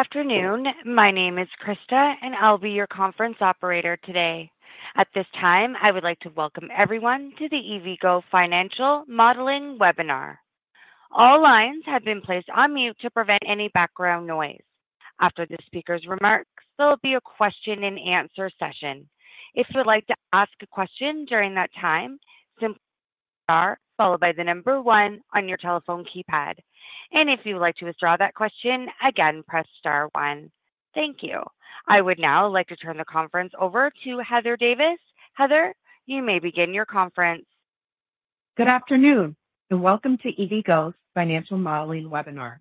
Good afternoon. My name is Krista, and I'll be your conference operator today. At this time, I would like to welcome everyone to the EVgo Financial Modeling Webinar. All lines have been placed on mute to prevent any background noise. After the speaker's remarks, there will be a question and answer session. If you'd like to ask a question during that time, simply star, followed by the number one on your telephone keypad. And if you would like to withdraw that question, again, press star one. Thank you. I would now like to turn the conference over to Heather Davis. Heather, you may begin your conference. Good afternoon, and welcome to EVgo's Financial Modeling Webinar.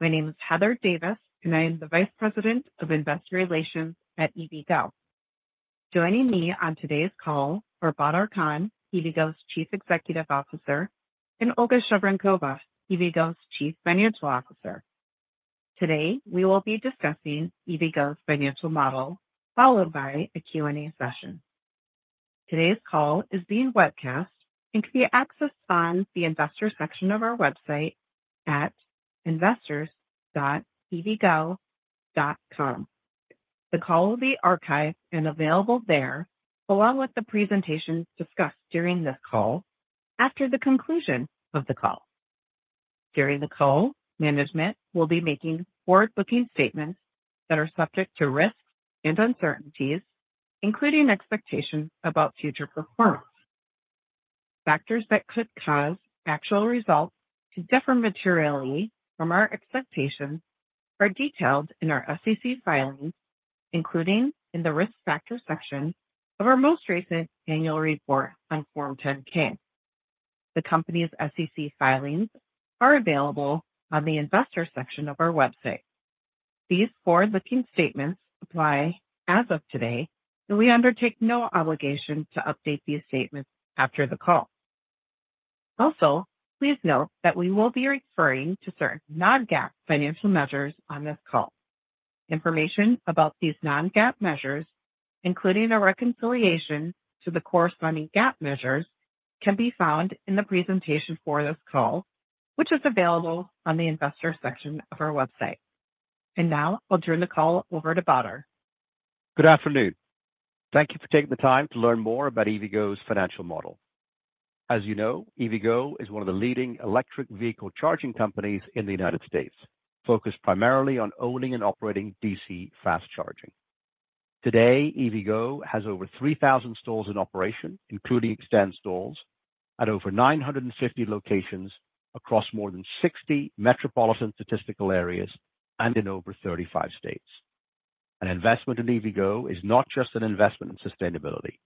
My name is Heather Davis, and I am the Vice President of Investor Relations at EVgo. Joining me on today's call are Badar Khan, EVgo's Chief Executive Officer, and Olga Shevorenkova, EVgo's Chief Financial Officer. Today, we will be discussing EVgo's financial model, followed by a Q&A session. Today's call is being webcast and can be accessed on the investor section of our website at investors.evgo.com. The call will be archived and available there, along with the presentations discussed during this call, after the conclusion of the call. During the call, management will be making forward-looking statements that are subject to risks and uncertainties, including expectations about future performance. Factors that could cause actual results to differ materially from our expectations are detailed in our SEC filings, including in the Risk Factors section of our most recent annual report on Form 10-K. The company's SEC filings are available on the investor section of our website. These forward-looking statements apply as of today, and we undertake no obligation to update these statements after the call. Also, please note that we will be referring to certain non-GAAP financial measures on this call. Information about these non-GAAP measures, including a reconciliation to the corresponding GAAP measures, can be found in the presentation for this call, which is available on the investor section of our website. Now I'll turn the call over to Badar. Good afternoon. Thank you for taking the time to learn more about EVgo's financial model. As you know, EVgo is one of the leading electric vehicle charging companies in the United States, focused primarily on owning and operating DC fast charging. Today, EVgo has over 3,000 stalls in operation, including eXtend stalls at over 950 locations across more than 60 metropolitan statistical areas and in over 35 states. An investment in EVgo is not just an investment in sustainability,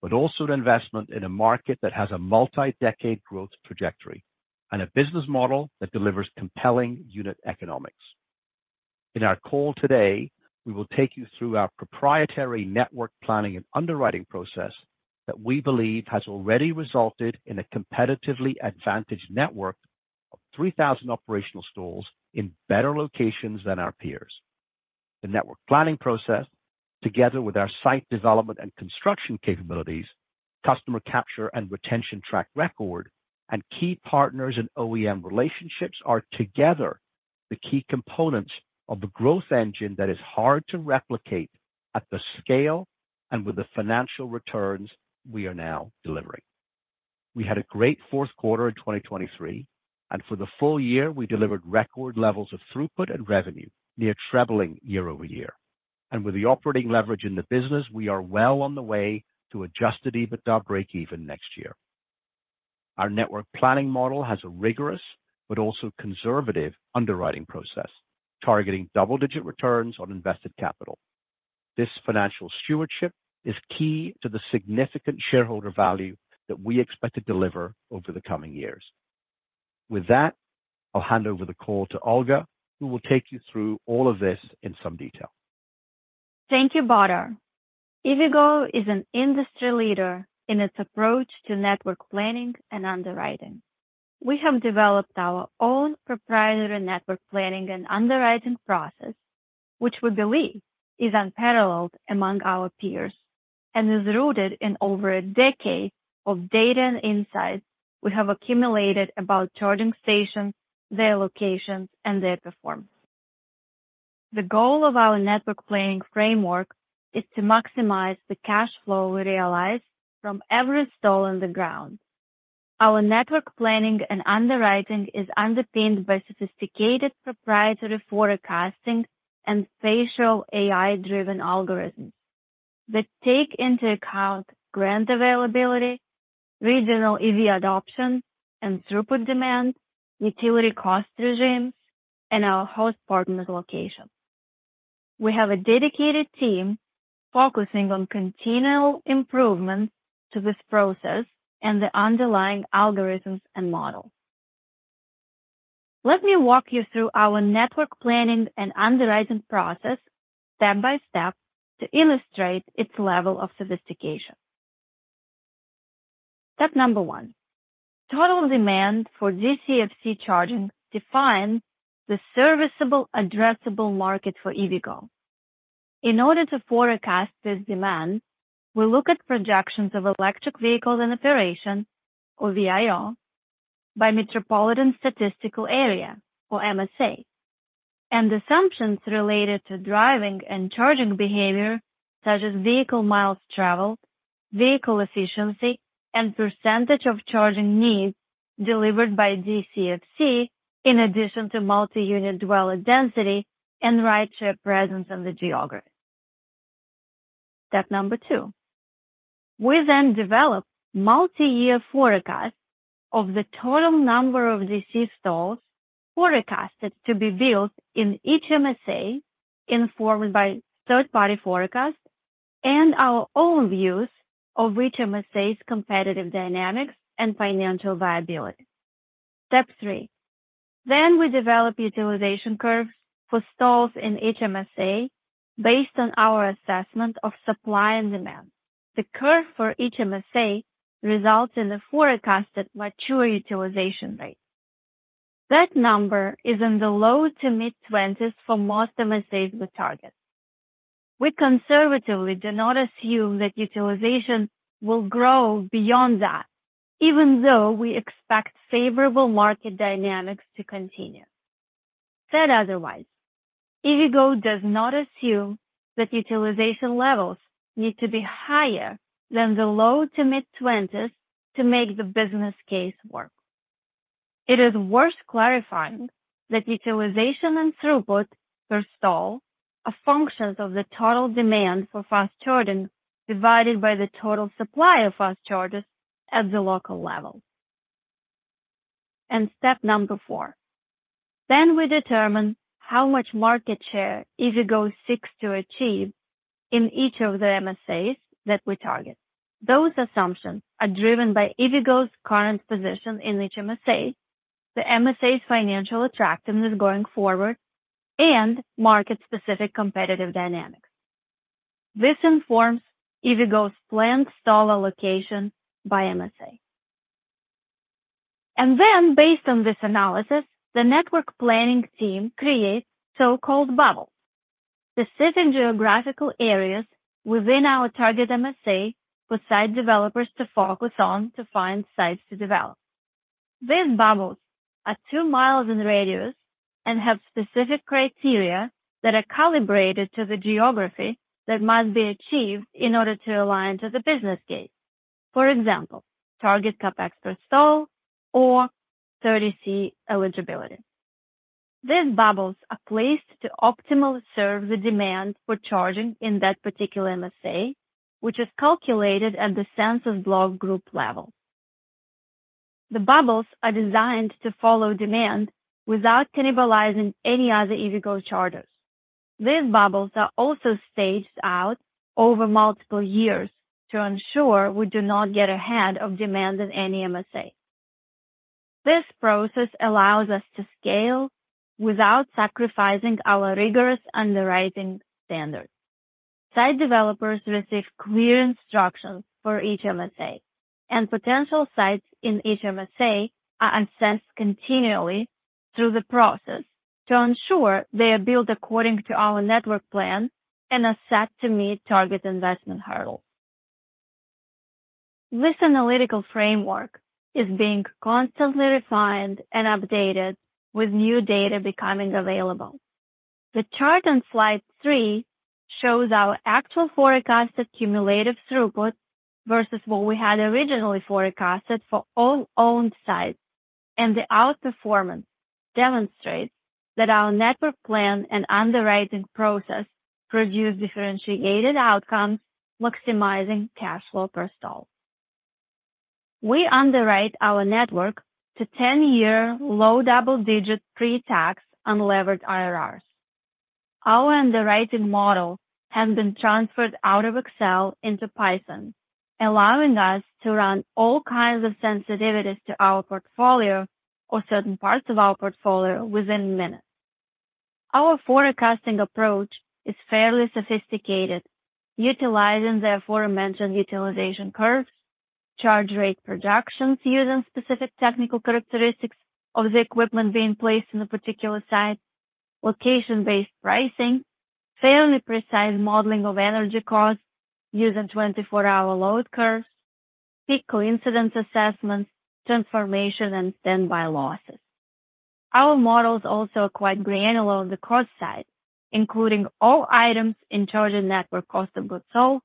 but also an investment in a market that has a multi-decade growth trajectory and a business model that delivers compelling unit economics. In our call today, we will take you through our proprietary network planning and underwriting process that we believe has already resulted in a competitively advantaged network of 3,000 operational stalls in better locations than our peers. The network planning process, together with our site development and construction capabilities, customer capture and retention track record, and key partners in OEM relationships, are together the key components of the growth engine that is hard to replicate at the scale and with the financial returns we are now delivering. We had a great fourth quarter in 2023, and for the full year, we delivered record levels of throughput and revenue, near trebling year-over-year. And with the operating leverage in the business, we are well on the way to Adjusted EBITDA breakeven next year. Our network planning model has a rigorous but also conservative underwriting process, targeting double-digit returns on invested capital. This financial stewardship is key to the significant shareholder value that we expect to deliver over the coming years. With that, I'll hand over the call to Olga, who will take you through all of this in some detail. Thank you, Badar. EVgo is an industry leader in its approach to network planning and underwriting. We have developed our own proprietary network planning and underwriting process, which we believe is unparalleled among our peers and is rooted in over a decade of data and insights we have accumulated about charging stations, their locations, and their performance. The goal of our network planning framework is to maximize the cash flow we realize from every stall on the ground. Our network planning and underwriting is underpinned by sophisticated proprietary forecasting and spatial AI-driven algorithms that take into account grant availability, regional EV adoption and throughput demand, utility cost regimes, and our host partners' locations. We have a dedicated team focusing on continual improvements to this process and the underlying algorithms and models. Let me walk you through our network planning and underwriting process step by step to illustrate its level of sophistication. Step number one: total demand for DCFC charging defines the serviceable addressable market for EVgo. In order to forecast this demand, we look at projections of electric vehicles in operation, or VIO, by metropolitan statistical area, or MSA, and assumptions related to driving and charging behavior, such as vehicle miles traveled, vehicle efficiency, and percentage of charging needs delivered by DCFC, in addition to multi-unit dwelling density and rideshare presence in the geography. Step number two: we then develop multi-year forecast of the total number of DC stalls forecasted to be built in each MSA, informed by third-party forecast and our own views of each MSA's competitive dynamics and financial viability. Step 3: then we develop utilization curves for stalls in each MSA based on our assessment of supply and demand. The curve for each MSA results in a forecasted mature utilization rate. That number is in the low-to-mid-20s for most MSAs we target. We conservatively do not assume that utilization will grow beyond that, even though we expect favorable market dynamics to continue. Said otherwise, EVgo does not assume that utilization levels need to be higher than the low-to-mid-20s to make the business case work. It is worth clarifying that utilization and throughput per stall are functions of the total demand for fast charging, divided by the total supply of fast chargers at the local level. And step number 4: then we determine how much market share EVgo seeks to achieve in each of the MSAs that we target. Those assumptions are driven by EVgo's current position in each MSA, the MSA's financial attractiveness going forward, and market-specific competitive dynamics. This informs EVgo's planned stall allocation by MSA. And then, based on this analysis, the network planning team creates so-called bubbles, specific geographical areas within our target MSA for site developers to focus on to find sites to develop. These bubbles are two miles in radius and have specific criteria that are calibrated to the geography that must be achieved in order to align to the business case. For example, target CapEx per stall or 30C eligibility. These bubbles are placed to optimally serve the demand for charging in that particular MSA, which is calculated at the census block group level. The bubbles are designed to follow demand without cannibalizing any other EVgo chargers. These bubbles are also staged out over multiple years to ensure we do not get ahead of demand in any MSA. This process allows us to scale without sacrificing our rigorous underwriting standards. Site developers receive clear instructions for each MSA, and potential sites in each MSA are assessed continually through the process to ensure they are built according to our network plan and are set to meet target investment hurdles. This analytical framework is being constantly refined and updated with new data becoming available. The chart on slide three shows our actual forecasted cumulative throughput versus what we had originally forecasted for all owned sites, and the outperformance demonstrates that our network plan and underwriting process produce differentiated outcomes, maximizing cash flow per stall. We underwrite our network to 10-year low double-digit pre-tax unlevered IRRs. Our underwriting model has been transferred out of Excel into Python, allowing us to run all kinds of sensitivities to our portfolio or certain parts of our portfolio within minutes. Our forecasting approach is fairly sophisticated, utilizing the aforementioned utilization curves, charge rate projections using specific technical characteristics of the equipment being placed in a particular site, location-based pricing, fairly precise modeling of energy costs using 24-hour load curves, peak coincidence assessments, transformation, and standby losses. Our models also are quite granular on the cost side, including all items in Charging Network Cost of Goods Sold,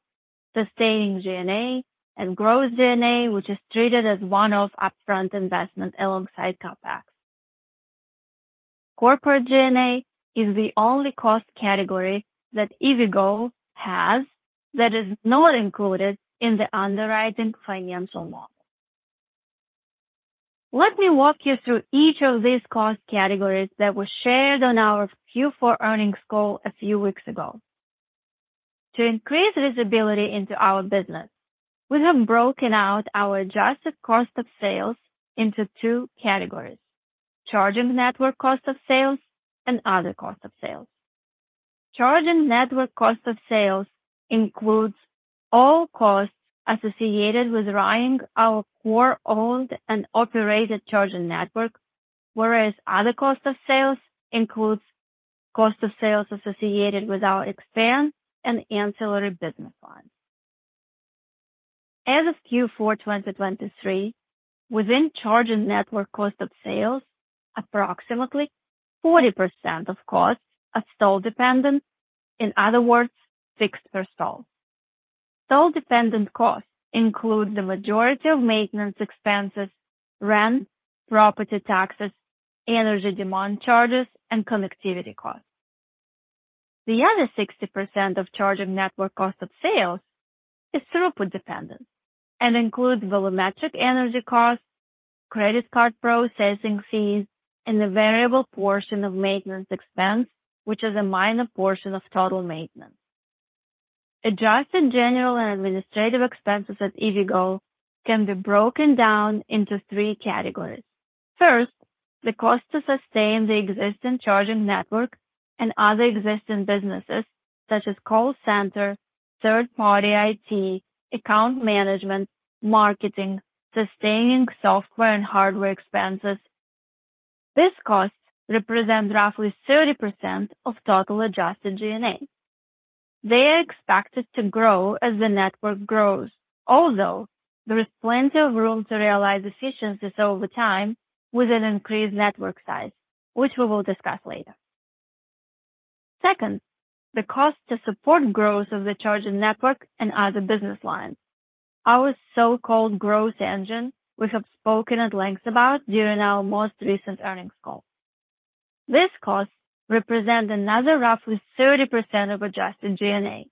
Sustaining G&A and Gross G&A, which is treated as one-off upfront investment alongside CapEx. Corporate G&A is the only cost category that EVgo has that is not included in the underwriting financial model. Let me walk you through each of these cost categories that were shared on our Q4 earnings call a few weeks ago. To increase visibility into our business, we have broken out our Adjusted Cost of Sales into two categories: Charging Network Cost of Sales and Other Cost of Sales. Charging Network Cost of Sales includes all costs associated with running our core owned and operated charging network whereas Other Cost of Sales includes cost of sales associated with our eXtend and ancillary business lines. As of Q4 2023, within Charging Network Cost of Sales, approximately 40% of costs are stall dependent, in other words, fixed per stall. Stall-dependent costs include the majority of maintenance expenses, rent, property taxes, energy demand charges, and connectivity costs. The other 60% of Charging Network Cost of Sales is throughput dependent and includes volumetric energy costs, credit card processing fees, and the variable portion of maintenance expense, which is a minor portion of total maintenance. Adjusted general and administrative expenses at EVgo can be broken down into three categories. First, the cost to sustain the existing charging network and other existing businesses, such as call center, third-party IT, account management, marketing, sustaining software and hardware expenses. These costs represent roughly 30% of total Adjusted G&A. They are expected to grow as the network grows, although there is plenty of room to realize efficiencies over time with an increased network size, which we will discuss later. Second, the cost to support growth of the charging network and other business lines, our so-called growth engine, we have spoken at length about during our most recent earnings call. These costs represent another roughly 30% of Adjusted G&A.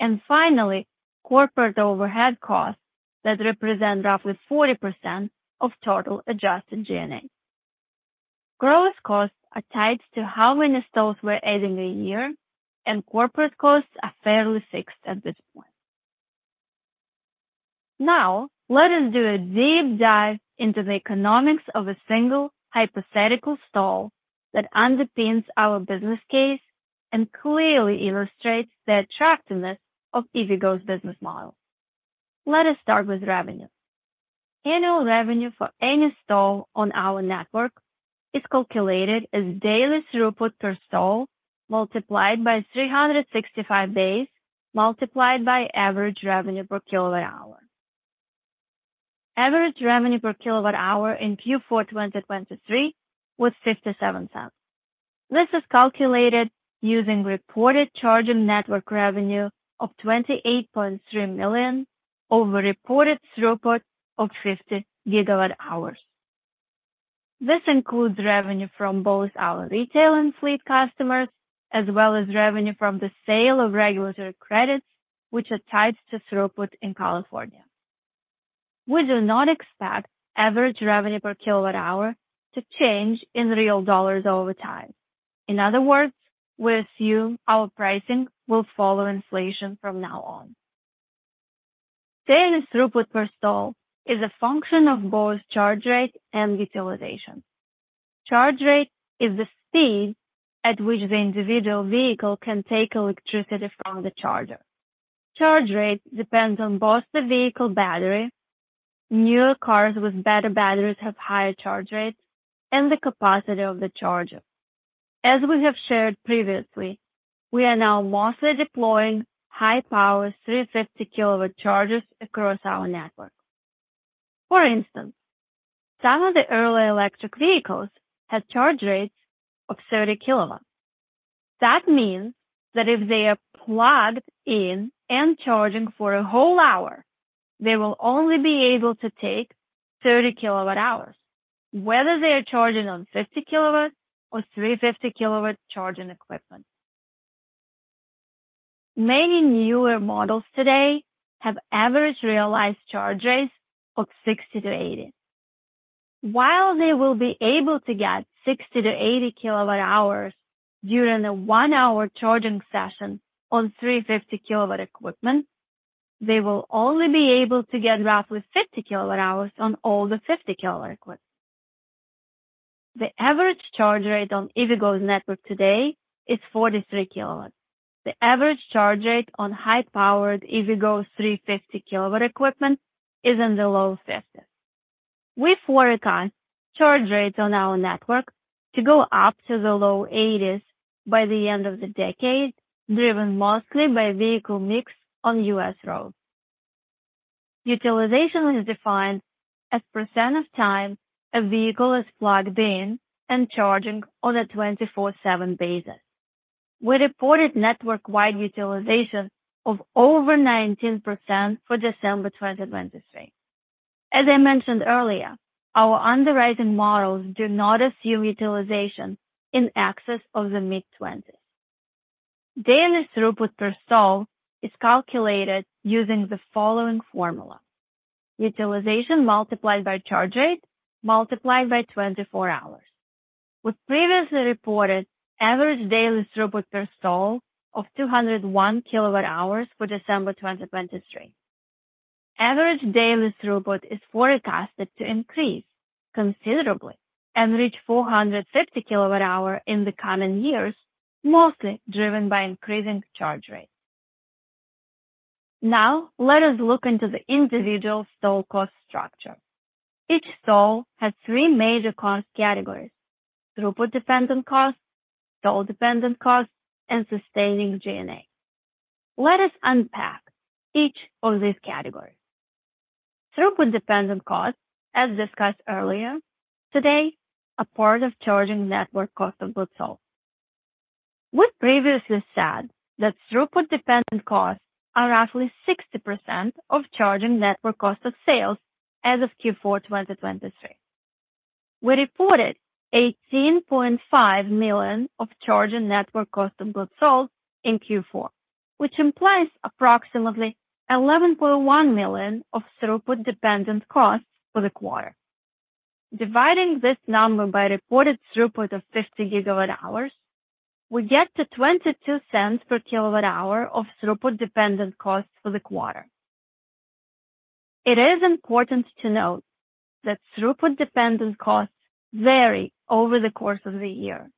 And finally, corporate overhead costs that represent roughly 40% of total Adjusted G&A. Growth costs are tied to how many stalls we're adding a year, and corporate costs are fairly fixed at this point. Now, let us do a deep dive into the economics of a single hypothetical stall that underpins our business case and clearly illustrates the attractiveness of EVgo's business model. Let us start with revenue. Annual revenue for any stall on our network is calculated as daily throughput per stall, multiplied by 365 days, multiplied by average revenue per kWh. Average revenue per kWh in Q4 2023 was $0.57. This is calculated using reported charging network revenue of $28.3 million over reported throughput of 50 GWh. This includes revenue from both our retail and fleet customers, as well as revenue from the sale of regulatory credits, which are tied to throughput in California. We do not expect average revenue per kilowatt hour to change in real dollars over time. In other words, we assume our pricing will follow inflation from now on. Daily throughput per stall is a function of both charge rate and utilization. Charge rate is the speed at which the individual vehicle can take electricity from the charger. Charge rate depends on both the vehicle battery, newer cars with better batteries have higher charge rates, and the capacity of the charger. As we have shared previously, we are now mostly deploying high-power 350 kW chargers across our network. For instance, some of the early electric vehicles had charge rates of 30 kW. That means that if they are plugged in and charging for a whole hour, they will only be able to take 30 kWh, whether they are charging on 50 kW or 350 kW charging equipment. Many newer models today have average realized charge rates of 60-80. While they will be able to get 60-80 kWh during a one-hour charging session on 350 kW equipment, they will only be able to get roughly 50 kWh on all the 50 kW equipment. The average charge rate on EVgo's network today is 43 kW. The average charge rate on high-powered EVgo 350 kW equipment is in the low 50s. We forecast charge rates on our network to go up to the low 80s by the end of the decade, driven mostly by vehicle mix on U.S. roads. Utilization is defined as percent of time a vehicle is plugged in and charging on a 24/7 basis. We reported network-wide utilization of over 19% for December 2023. As I mentioned earlier, our underwriting models do not assume utilization in excess of the mid-20s. Daily throughput per stall is calculated using the following formula: utilization multiplied by charge rate, multiplied by 24 hours. We previously reported average daily throughput per stall of 201 kWh for December 2023. Average daily throughput is forecasted to increase considerably and reach 450 kWh in the coming years, mostly driven by increasing charge rates. Now, let us look into the individual stall cost structure. Each stall has three major cost categories: throughput dependent costs, stall dependent costs, and Sustaining G&A. Let us unpack each of these categories. Throughput dependent costs, as discussed earlier, today, a part of Charging Network Cost of Sales sold. We previously said that throughput dependent costs are roughly 60% of Charging Network Cost of Sales as of Q4 2023. We reported $18.5 million of Charging Network Cost of Sales sold in Q4, which implies approximately $11.1 million of throughput dependent costs for the quarter. Dividing this number by reported throughput of 50 GWh, we get to $0.22 per kWh of throughput dependent costs for the quarter. It is important to note that throughput dependent costs vary over the course of the year.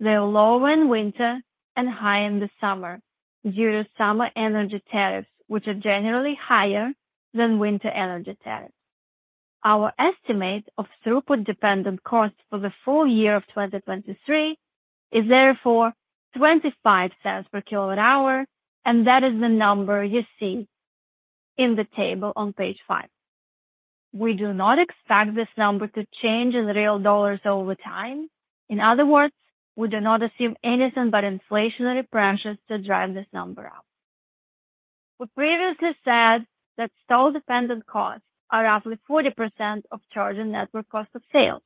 They are low in winter and high in the summer due to summer energy tariffs, which are generally higher than winter energy tariffs. Our estimate of throughput dependent costs for the full year of 2023 is therefore $0.25 per kWh, and that is the number you see in the table on page 5. We do not expect this number to change in real dollars over time. In other words, we do not assume anything but inflationary pressures to drive this number up. We previously said that stall dependent costs are roughly 40% of Charging Network Cost of Sales.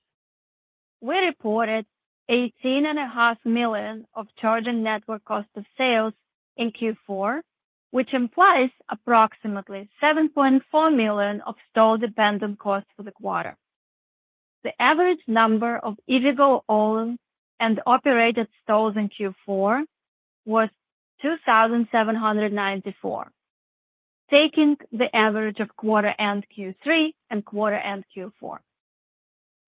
We reported $18.5 million of Charging Network Cost of Sales in Q4, which implies approximately $7.4 million of stall dependent costs for the quarter. The average number of EVgo owned and operated stalls in Q4 was 2,794, taking the average of quarter end Q3 and quarter end Q4.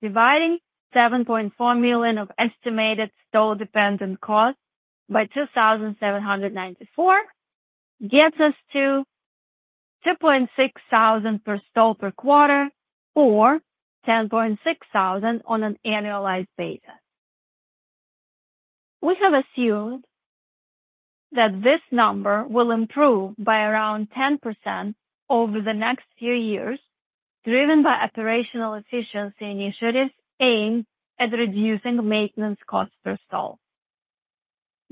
Dividing $7.4 million of estimated stall dependent costs by 2,794 gets us to $2.6 thousand per stall per quarter or $10.6 thousand on an annualized basis. We have assumed that this number will improve by around 10% over the next few years, driven by operational efficiency initiatives aimed at reducing maintenance costs per stall.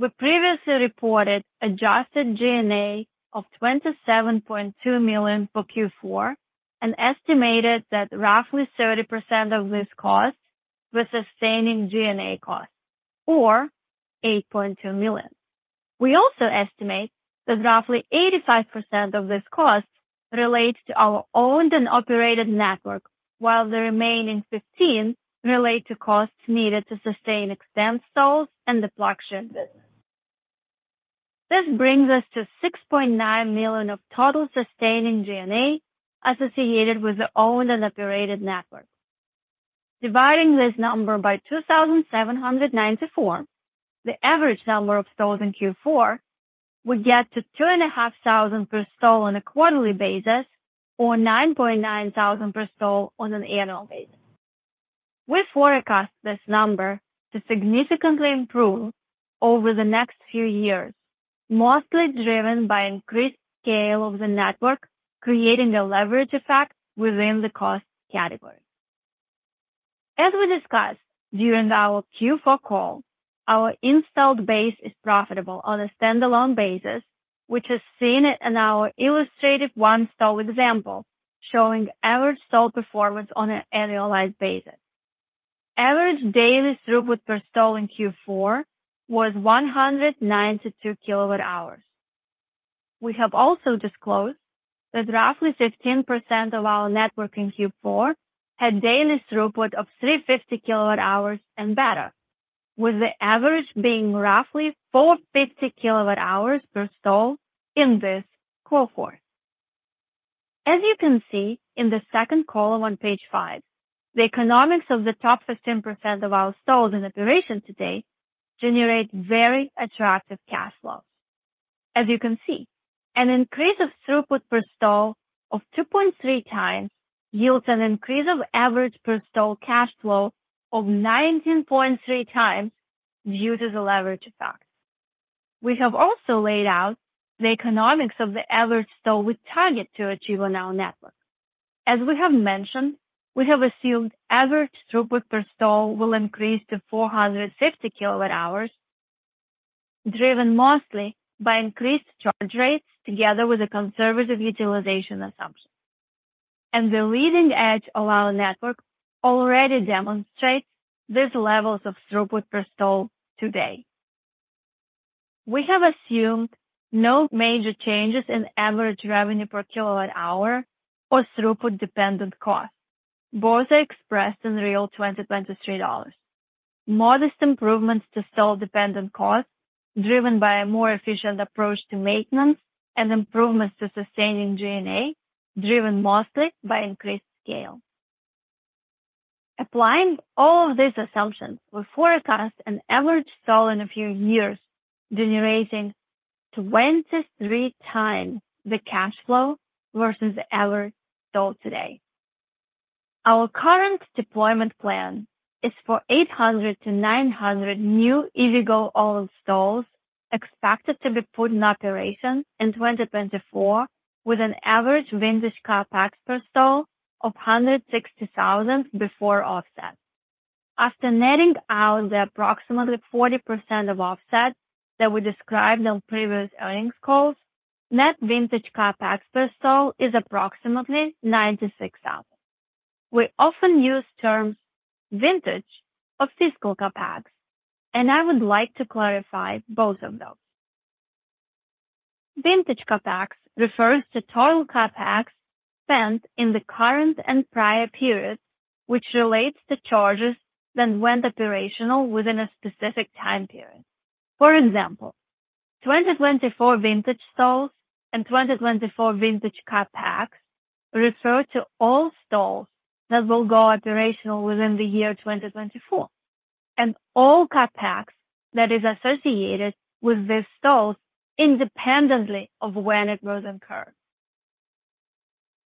We previously reported Adjusted G&A of $27.2 million for Q4 and estimated that roughly 30% of this cost was Sustaining G&A costs, or $8.2 million. We also estimate that roughly 85% of this cost relates to our owned and operated network, while the remaining 15% relate to costs needed to sustain eXtend stalls and the PlugShare business. This brings us to $6.9 million of total Sustaining G&A associated with the owned and operated network. Dividing this number by 2,794, the average number of stalls in Q4, we get to 2,500 per stall on a quarterly basis or 9,900 per stall on an annual basis. We forecast this number to significantly improve over the next few years, mostly driven by increased scale of the network, creating a leverage effect within the cost category. As we discussed during our Q4 call, our installed base is profitable on a standalone basis, which is seen in our illustrative one stall example, showing average stall performance on an annualized basis. Average daily throughput per stall in Q4 was 192 kWh. We have also disclosed that roughly 15% of our network in Q4 had daily throughput of 350 kWh and better, with the average being roughly 450 kWh per stall in this cohort. As you can see in the second column on page five, the economics of the top 15% of our stalls in operation today generate very attractive cash flows. As you can see, an increase of throughput per stall of 2.3x yields an increase of average per stall cash flow of 19.3x due to the leverage effect. We have also laid out the economics of the average stall we target to achieve on our network. As we have mentioned, we have assumed average throughput per stall will increase to 450 kWh, driven mostly by increased charge rates together with a conservative utilization assumption, and the leading edge of our network already demonstrates these levels of throughput per stall today. We have assumed no major changes in average revenue per kWh or throughput dependent costs. Both are expressed in real 2023 dollars. Modest improvements to stall dependent costs, driven by a more efficient approach to maintenance and improvements to Sustaining G&A, driven mostly by increased scale.... Applying all of these assumptions, we forecast an average stall in a few years, generating 23x the cash flow versus the average stall today. Our current deployment plan is for 800-900 new EVgo stalls, expected to be put in operation in 2024, with an average Vintage CapEx per stall of $160,000 before offset. After netting out the approximately 40% of offset that we described on previous earnings calls, net Vintage CapEx per stall is approximately $96,000. We often use terms vintage and fiscal CapEx, and I would like to clarify both of those. Vintage CapEx refers to total CapEx spent in the current and prior periods, which relates to chargers that went operational within a specific time period. For example, 2024 vintage stalls and 2024 Vintage CapEx refer to all stalls that will go operational within the year 2024, and all CapEx that is associated with these stalls independently of when it was incurred.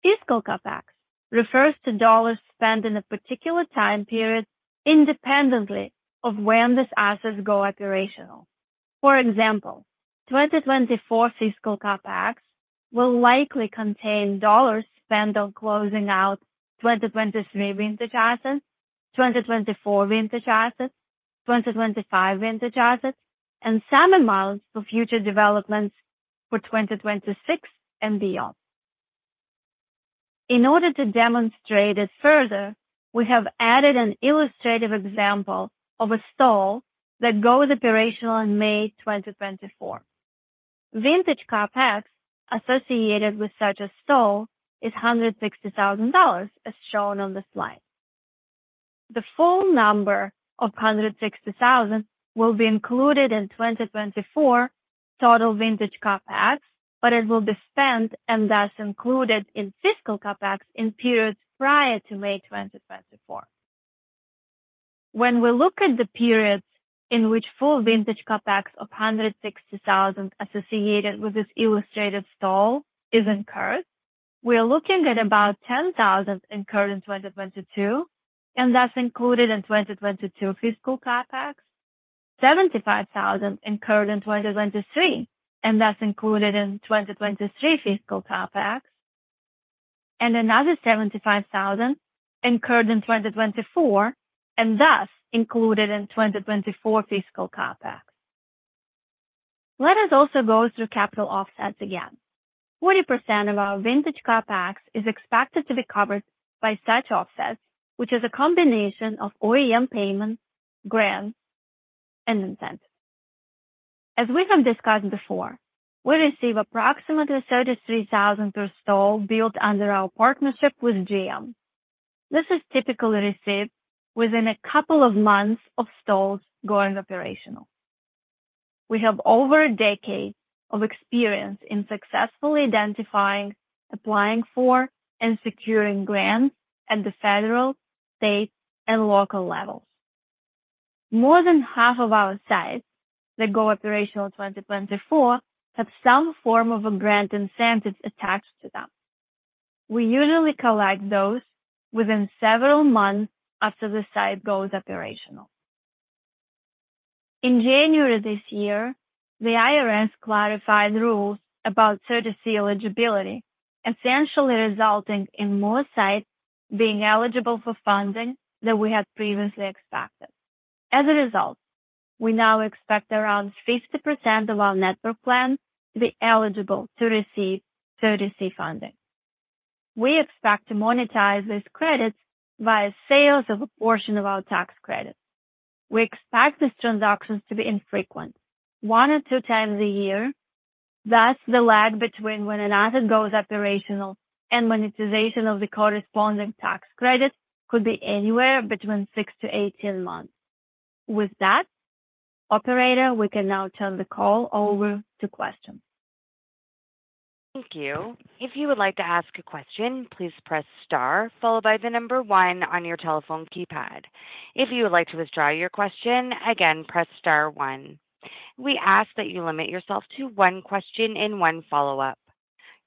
Fiscal CapEx refers to dollars spent in a particular time period, independently of when these assets go operational. For example, 2024 Fiscal CapEx will likely contain dollars spent on closing out 2023 vintage assets, 2024 vintage assets, 2025 vintage assets, and some amounts for future developments for 2026 and beyond. In order to demonstrate it further, we have added an illustrative example of a stall that goes operational in May 2024. Vintage CapEx associated with such a stall is $160,000, as shown on the slide. The full number of $160,000 will be included in 2024 total Vintage CapEx, but it will be spent and thus included in Fiscal CapEx in periods prior to May 2024. When we look at the periods in which full Vintage CapEx of $160,000 associated with this illustrated stall is incurred, we are looking at about $10,000 incurred in 2022, and that's included in 2022 Fiscal CapEx. $75,000 incurred in 2023, and that's included in 2023 Fiscal CapEx, and another $75,000 incurred in 2024, and thus included in 2024 Fiscal CapEx. Let us also go through capital offsets again. 40% of our Vintage CapEx is expected to be covered by such offsets, which is a combination of OEM payments, grants, and incentives. As we have discussed before, we receive approximately $33,000 per stall built under our partnership with GM. This is typically received within a couple of months of stalls going operational. We have over a decade of experience in successfully identifying, applying for, and securing grants at the federal, state, and local levels. More than half of our sites that go operational in 2024 have some form of a grant incentive attached to them. We usually collect those within several months after the site goes operational. In January this year, the IRS clarified rules about 30C eligibility, essentially resulting in more sites being eligible for funding than we had previously expected. As a result, we now expect around 50% of our network plan to be eligible to receive 30C funding. We expect to monetize these credits via sales of a portion of our tax credits. We expect these transactions to be infrequent, one or 2x a year. Thus, the lag between when an asset goes operational and monetization of the corresponding tax credit could be anywhere between 6-18 months. With that, operator, we can now turn the call over to questions. Thank you. If you would like to ask a question, please press star followed by the number one on your telephone keypad. If you would like to withdraw your question, again, press star one. We ask that you limit yourself to one question and one follow-up.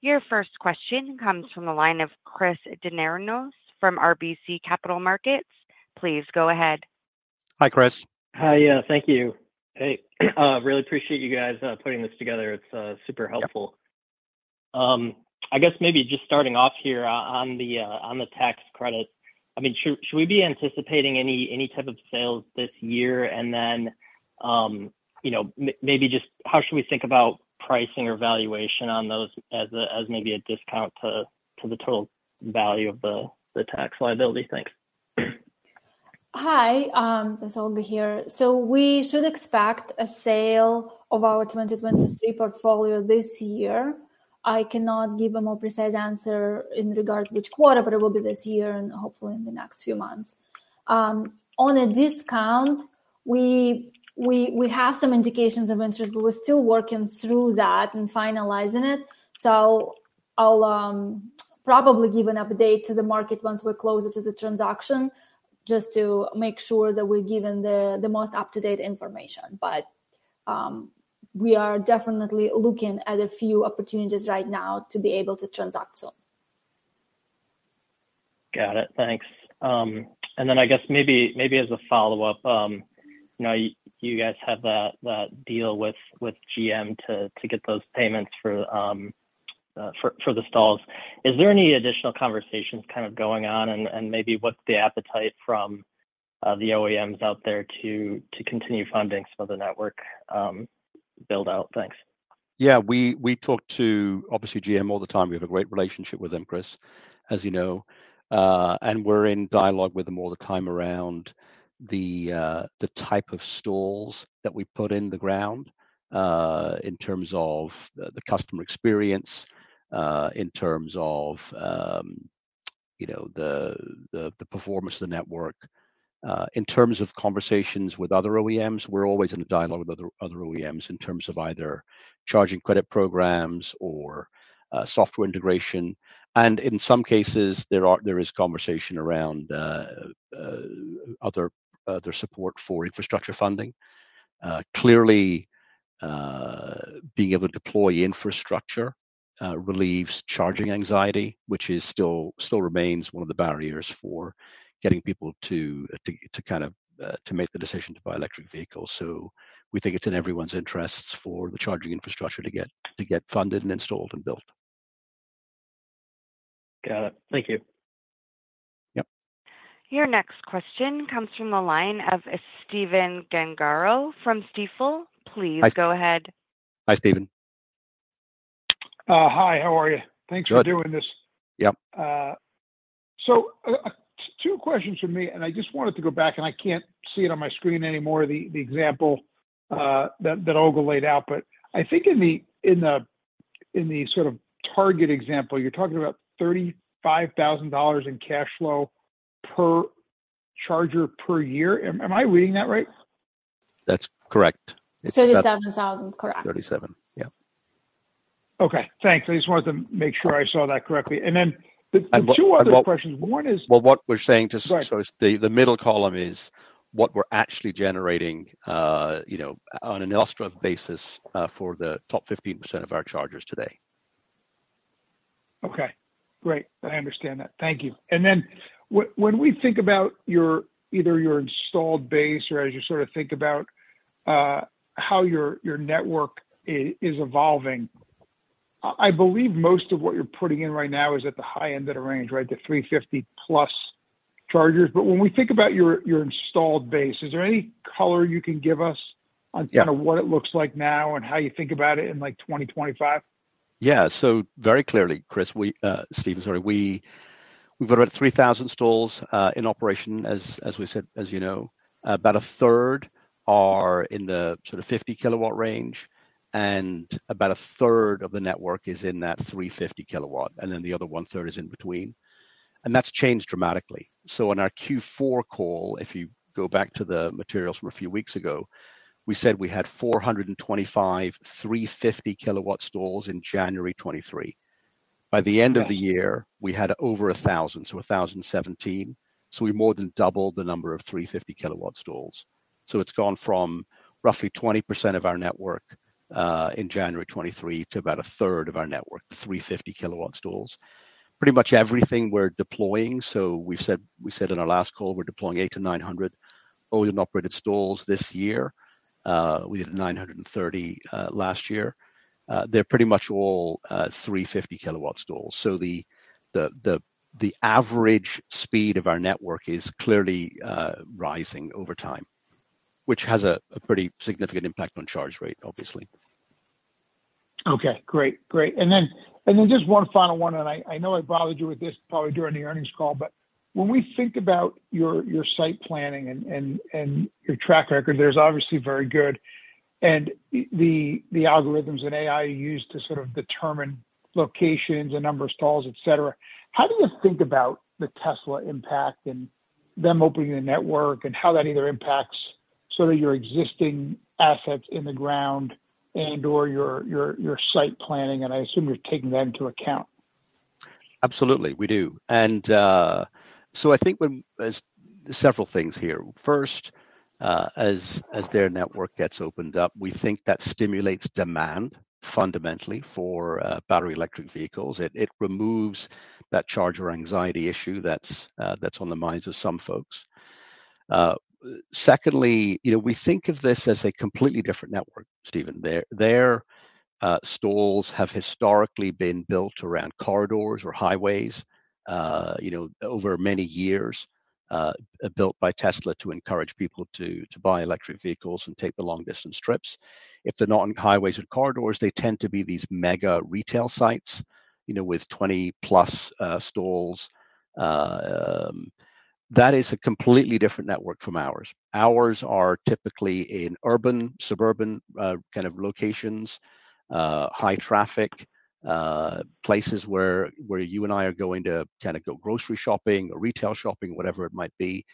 Your first question comes from the line of Chris Dendrinos from RBC Capital Markets. Please go ahead. Hi, Chris. Hi. Thank you. Hey, really appreciate you guys putting this together. It's super helpful. I guess maybe just starting off here on the tax credit. I mean, should we be anticipating any type of sales this year? And then, you know, maybe just how should we think about pricing or valuation on those as maybe a discount to the total value of the tax liability? Thanks. Hi, it's Olga here. We should expect a sale of our 2023 portfolio this year. I cannot give a more precise answer in regards to which quarter, but it will be this year and hopefully in the next few months. On a discount, we, we, we have some indications of interest, but we're still working through that and finalizing it. I'll probably give an update to the market once we're closer to the transaction, just to make sure that we're giving the most up-to-date information. But, we are definitely looking at a few opportunities right now to be able to transact, so. Got it. Thanks. And then I guess maybe, maybe as a follow-up, you know, you guys have that, that deal with, with GM to, to get those payments for, for the stalls. Is there any additional conversations kind of going on? And, and maybe what's the appetite from, the OEMs out there to, to continue funding some of the network, build-out? Thanks. Yeah. We talk to, obviously, GM all the time. We have a great relationship with them, Chris, as you know. And we're in dialogue with them all the time around the type of stalls that we put in the ground, in terms of the customer experience, in terms of, you know, the performance of the network. In terms of conversations with other OEMs, we're always in a dialogue with other OEMs in terms of either charging credit programs or software integration. And in some cases, there is conversation around other support for infrastructure funding. Clearly, being able to deploy infrastructure relieves charging anxiety, which still remains one of the barriers for getting people to make the decision to buy electric vehicles. So we think it's in everyone's interests for the charging infrastructure to get funded and installed and built. Got it. Thank you. Yep. Your next question comes from the line of Stephen Gengaro from Stifel. Hi. Please go ahead. Hi, Stephen. Hi, how are you? Good. Thanks for doing this. Yep. So, two questions from me, and I just wanted to go back, and I can't see it on my screen anymore, the example that Olga laid out. But I think in the sort of Target example, you're talking about $35,000 in cash flow per charger per year. Am I reading that right? That's correct. 37,000, correct. 37. Yeah. Okay, thanks. I just wanted to make sure I saw that correctly. And then- And what- the two other questions, one is Well, what we're saying to- Right. So the middle column is what we're actually generating, you know, on an illustrative basis, for the top 15% of our chargers today. Okay, great. I understand that. Thank you. And then when we think about your... either your installed base or as you sorta think about, how your, your network is evolving, I, I believe most of what you're putting in right now is at the high end of the range, right? The 350+ chargers. But when we think about your, your installed base, is there any color you can give us on- Yeah. Kind of what it looks like now and how you think about it in, like, 2025? Yeah. So very clearly, Chris, we, Stephen, sorry. We, we've got about 3,000 stalls in operation, as we said, as you know. About a third are in the sort of 50 kW range, and about a third of the network is in that 350 kW, and then the other one-third is in between. And that's changed dramatically. So on our Q4 call, if you go back to the materials from a few weeks ago, we said we had 425, 350-kW stalls in January 2023. Right. By the end of the year, we had over 1,000, so 1,017. So we more than doubled the number of 350 kW stalls. So it's gone from roughly 20% of our network, in January 2023, to about a third of our network, 350 kW stalls. Pretty much everything we're deploying, so we said, we said in our last call, we're deploying 800-900 owned and operated stalls this year. We did 930, last year. They're pretty much all, 350 kW stalls. So the average speed of our network is clearly, rising over time, which has a pretty significant impact on charge rate, obviously. Okay, great. Great. And then just one final one, and I know I bothered you with this probably during the earnings call, but when we think about your site planning and your track record, that's obviously very good, and the algorithms and AI you use to sort of determine locations and number of stalls, et cetera, how do you think about the Tesla impact and them opening a network, and how that either impacts sort of your existing assets in the ground and/or your site planning? And I assume you're taking that into account. Absolutely, we do. And, so I think there's several things here. First, as, as their network gets opened up, we think that stimulates demand fundamentally for, battery electric vehicles. It, it removes that charger anxiety issue that's, that's on the minds of some folks. Secondly, you know, we think of this as a completely different network, Stephen. Their, their, stalls have historically been built around corridors or highways, you know, over many years, built by Tesla to encourage people to, to buy electric vehicles and take the long-distance trips. If they're not on highways or corridors, they tend to be these mega retail sites, you know, with 20+, stalls. That is a completely different network from ours. Ours are typically in urban, suburban, kind of locations, high traffic places where you and I are going to kind of go grocery shopping or retail shopping, whatever it might be.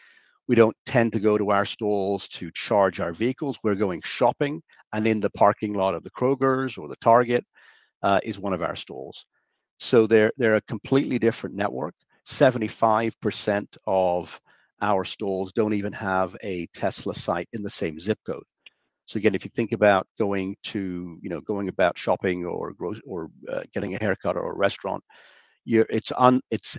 We don't tend to go to our stalls to charge our vehicles. We're going shopping, and in the parking lot of the Kroger's or the Target is one of our stalls. So they're a completely different network. 75% of our stalls don't even have a Tesla site in the same zip code. So again, if you think about going to, you know, going about shopping or getting a haircut or a restaurant, you're—it's,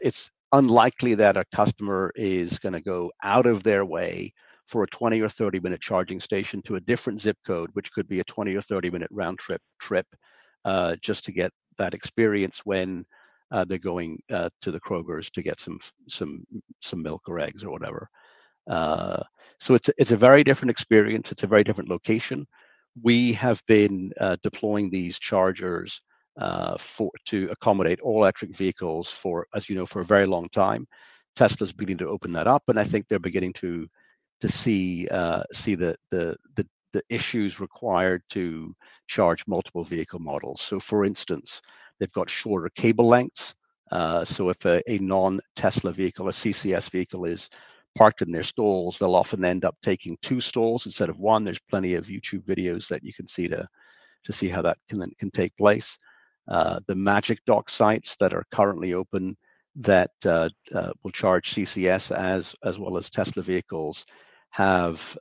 it's unlikely that a customer is gonna go out of their way for a 20- or 30-minute charging station to a different zip code, which could be a 20- or 30-minute round trip just to get that experience when they're going to the Kroger's to get some milk or eggs or whatever. So it's a very different experience, it's a very different location. We have been deploying these chargers to accommodate all electric vehicles for, as you know, for a very long time. Tesla's beginning to open that up, and I think they're beginning to see the issues required to charge multiple vehicle models. So for instance, they've got shorter cable lengths, so if a non-Tesla vehicle, a CCS vehicle, is parked in their stalls, they'll often end up taking two stalls instead of one. There's plenty of YouTube videos that you can see to see how that can take place. The Magic Dock sites that are currently open that will charge CCS as well as Tesla vehicles have,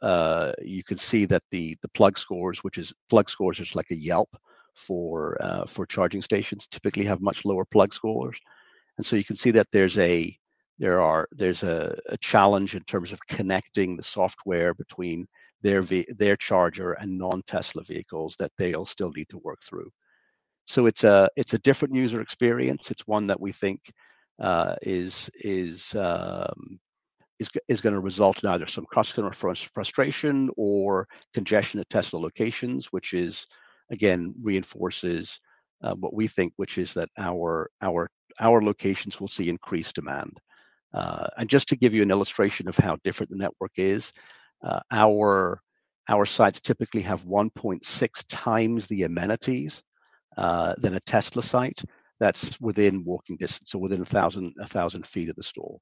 you can see that the PlugScores, which is PlugScore is like a Yelp for charging stations, typically have much lower PlugScores. And so you can see that there's a challenge in terms of connecting the software between their charger and non-Tesla vehicles that they'll still need to work through. So it's a different user experience. It's one that we think is gonna result in either some customer frustration or congestion at Tesla locations, which, again, reinforces what we think, which is that our locations will see increased demand. And just to give you an illustration of how different the network is, our sites typically have 1.6x the amenities than a Tesla site that's within walking distance or within 1,000 ft of the store.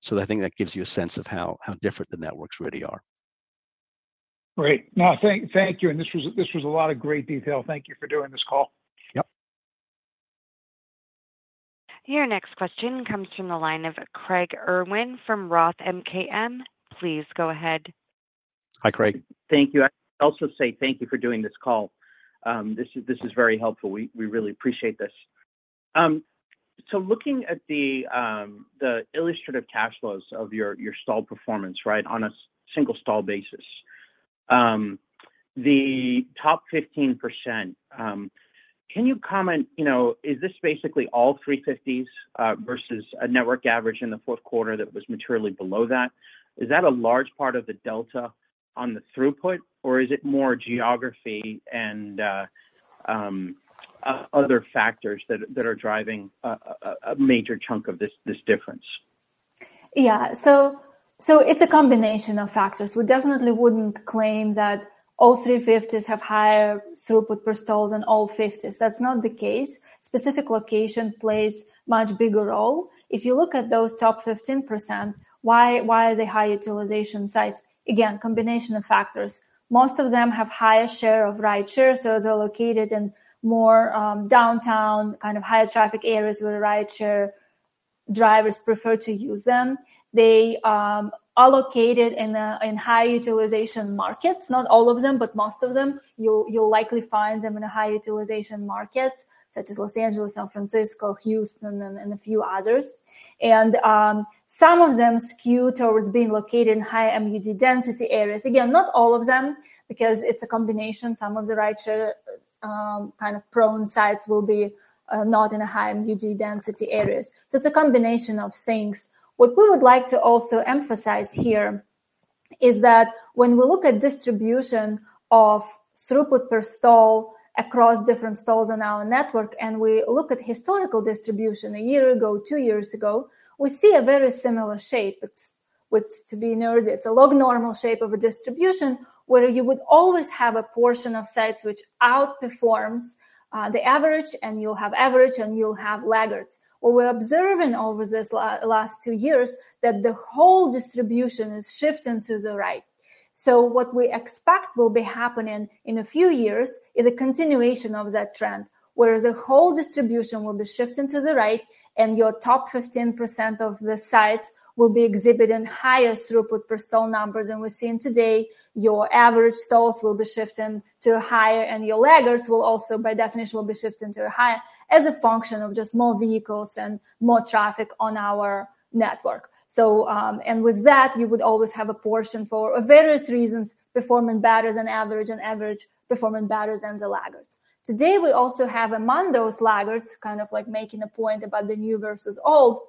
So I think that gives you a sense of how different the networks really are. Great. No, thank you. And this was a lot of great detail. Thank you for doing this call. Yep. Your next question comes from the line of Craig Irwin from Roth MKM. Please go ahead. Hi, Craig. Thank you. I also say thank you for doing this call. This is, this is very helpful. We, we really appreciate this. So looking at the, the illustrative cash flows of your, your stall performance, right, on a single stall basis, the top 15%, can you comment, you know, is this basically all 350s, versus a network average in the fourth quarter that was materially below that? Is that a large part of the delta on the throughput, or is it more geography and, other factors that, that are driving a major chunk of this, this difference? Yeah. So, it's a combination of factors. We definitely wouldn't claim that all 350s have higher throughput per stalls than all 50s. That's not the case. Specific location plays much bigger role. If you look at those top 15%, why are they high utilization sites? Again, combination of factors. Most of them have higher share of rideshares, so they're located in more, downtown, kind of higher traffic areas where rideshare drivers prefer to use them. They are located in high utilization markets. Not all of them, but most of them, you'll likely find them in a high utilization market, such as Los Angeles, San Francisco, Houston, and a few others. And, some of them skew towards being located in high MUD density areas. Again, not all of them, because it's a combination. Some of the rideshare, kind of prone sites will be, not in a high MUD density areas. So it's a combination of things. What we would like to also emphasize here is that when we look at distribution of throughput per stall across different stalls in our network, and we look at historical distribution a year ago, two years ago, we see a very similar shape. It's with, to be nerdy, it's a log normal shape of a distribution, where you would always have a portion of sites which outperforms the average, and you'll have average, and you'll have laggards. What we're observing over this last two years, that the whole distribution is shifting to the right. So what we expect will be happening in a few years is a continuation of that trend, where the whole distribution will be shifting to the right, and your top 15% of the sites will be exhibiting higher throughput per stall numbers than we're seeing today. Your average stalls will be shifting to higher, and your laggards will also, by definition, will be shifting to higher as a function of just more vehicles and more traffic on our network. So, and with that, you would always have a portion for various reasons, performing better than average, and average performing better than the laggards. Today, we also have among those laggards, kind of like making a point about the new versus old,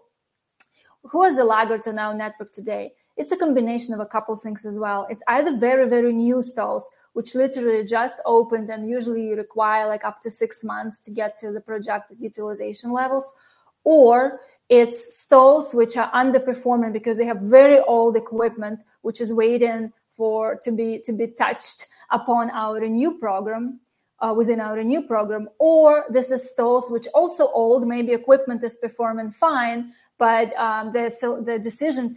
who are the laggards in our network today? It's a combination of a couple things as well. It's either very, very new stalls, which literally just opened, and usually you require, like, up to six months to get to the projected utilization levels, or it's stalls which are underperforming because they have very old equipment, which is waiting for, to be touched upon our new program within our new program, or this is stalls which also old, maybe equipment is performing fine, but the decision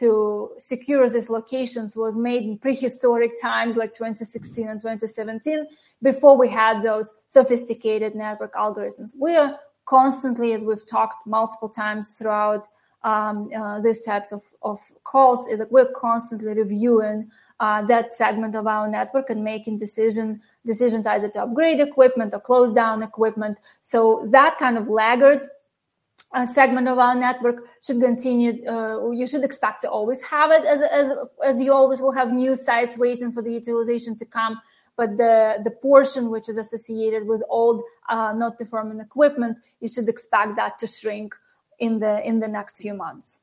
to secure these locations was made in prehistoric times, like 2016 and 2017, before we had those sophisticated network algorithms. We are constantly, as we've talked multiple times throughout these types of calls, is that we're constantly reviewing that segment of our network and making decisions either to upgrade equipment or close down equipment. So that kind of laggard... A segment of our network should continue, or you should expect to always have it as you always will have new sites waiting for the utilization to come, but the portion which is associated with old, not performing equipment, you should expect that to shrink in the next few months.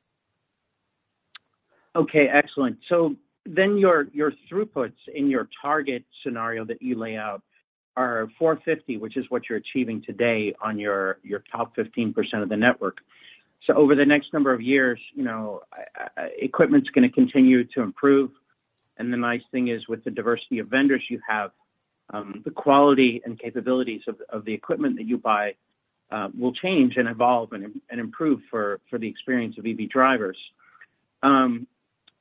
Okay, excellent. So then your throughputs in your target scenario that you lay out are 450, which is what you're achieving today on your top 15% of the network. So over the next number of years, you know, equipment's going to continue to improve, and the nice thing is, with the diversity of vendors you have, the quality and capabilities of the equipment that you buy will change and evolve and improve for the experience of EV drivers.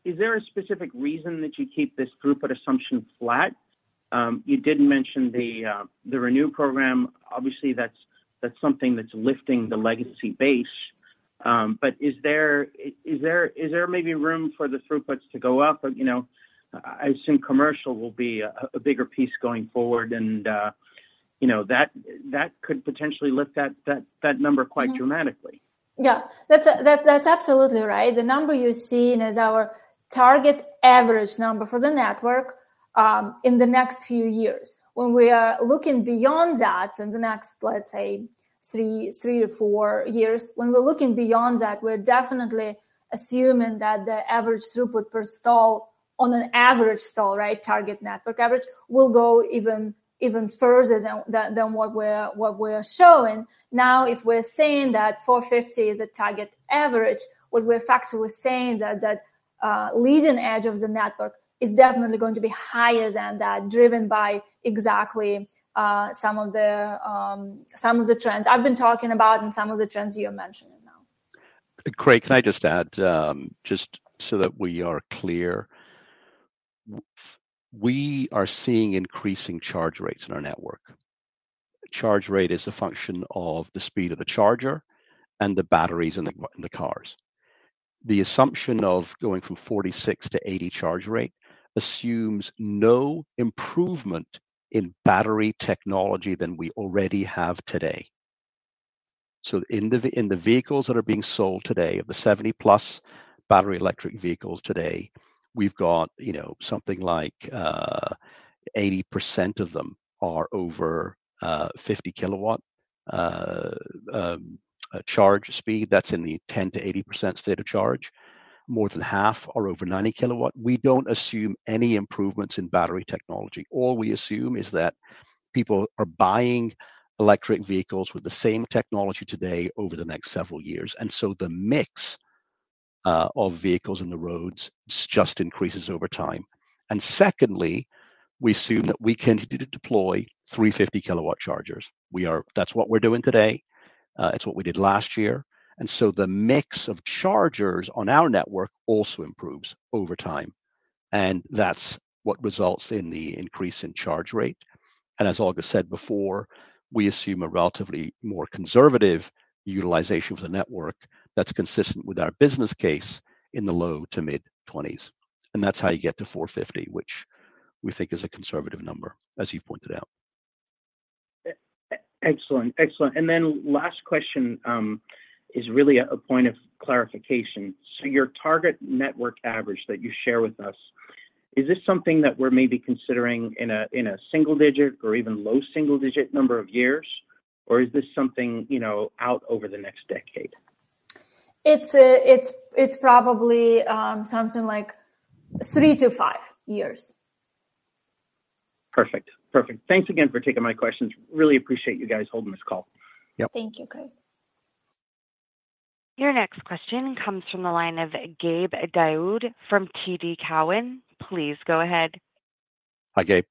Is there a specific reason that you keep this throughput assumption flat? You did mention the ReNew program. Obviously, that's something that's lifting the legacy base. But is there maybe room for the throughputs to go up? But, you know, I assume commercial will be a bigger piece going forward, and, you know, that could potentially lift that number quite dramatically. Yeah. That's absolutely right. The number you're seeing is our target average number for the network in the next few years. When we are looking beyond that, in the next, let's say, three to four years, when we're looking beyond that, we're definitely assuming that the average throughput per stall, on an average stall, right, target network average, will go even further than what we're showing. Now, if we're saying that 450 is a target average, what we're actually saying that the leading edge of the network is definitely going to be higher than that, driven by exactly some of the trends I've been talking about and some of the trends you're mentioning now. Craig, can I just add, just so that we are clear. We are seeing increasing charge rates in our network. Charge rate is a function of the speed of the charger and the batteries in the cars. The assumption of going from 46 to 80 charge rate assumes no improvement in battery technology than we already have today. So in the vehicles that are being sold today, of the 70+ battery electric vehicles today, we've got, you know, something like 80% of them are over 50 kW charge speed. That's in the 10%-80% state of charge. More than half are over 90 kW. We don't assume any improvements in battery technology. All we assume is that people are buying electric vehicles with the same technology today over the next several years, and so the mix of vehicles on the roads just increases over time. Secondly, we assume that we continue to deploy 350 kW chargers. That's what we're doing today, it's what we did last year, and so the mix of chargers on our network also improves over time, and that's what results in the increase in charge rate. As Olga said before, we assume a relatively more conservative utilization of the network that's consistent with our business case in the low-to-mid 20s, and that's how you get to 450, which we think is a conservative number, as you pointed out. Excellent, excellent. And then last question is really a point of clarification. So your target network average that you share with us, is this something that we're maybe considering in a single digit or even low single digit number of years, or is this something, you know, out over the next decade? It's probably something like three to five years. Perfect. Perfect. Thanks again for taking my questions. Really appreciate you guys holding this call. Yep. Thank you, Craig. Your next question comes from the line of Gabe Daoud from TD Cowen. Please go ahead. Hi, Gabe.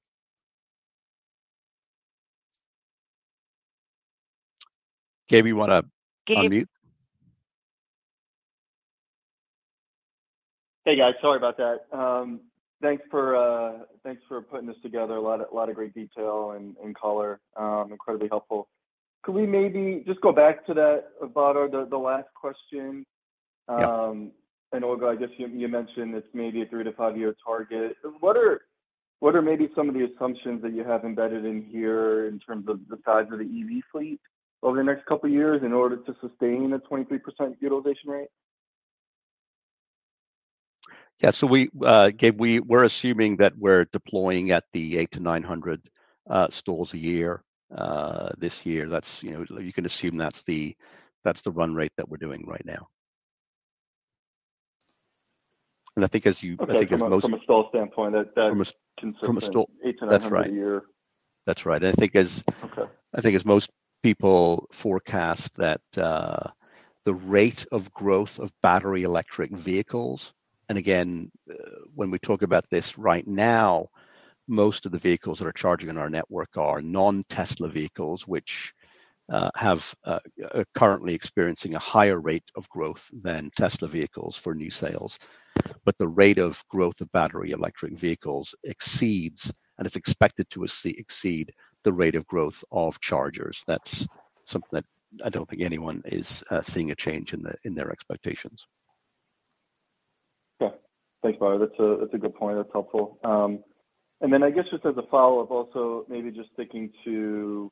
Gabe, you want to- Gabe? -unmute? Hey, guys. Sorry about that. Thanks for, thanks for putting this together. A lot of, a lot of great detail and, and color, incredibly helpful. Could we maybe just go back to that, about, the, the last question? Yep. Olga, I guess you mentioned it's maybe a three to five year target. What are maybe some of the assumptions that you have embedded in here in terms of the size of the EV fleet over the next couple of years in order to sustain a 23% utilization rate? Yeah. So we, Gabe, we're assuming that we're deploying at the 800-900 stalls a year this year. That's, you know, you can assume that's the run rate that we're doing right now. And I think as you- Okay. From a stall standpoint, that. From a stall- 800-900 a year. That's right. That's right. And I think as- Okay I think as most people forecast that the rate of growth of battery electric vehicles, and again, when we talk about this right now, most of the vehicles that are charging on our network are non-Tesla vehicles, which have currently experiencing a higher rate of growth than Tesla vehicles for new sales. But the rate of growth of battery electric vehicles exceeds, and is expected to exceed the rate of growth of chargers. That's something that I don't think anyone is seeing a change in their expectations. Yeah. Thanks, Badar. That's a, that's a good point. That's helpful. And then I guess just as a follow-up, also, maybe just sticking to,